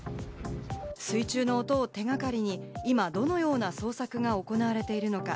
水中の音を手掛かりに、今どのような捜索が行われているのか？